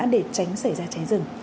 để tránh xảy ra cháy rừng